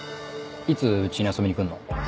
いつうちに遊びに来んの？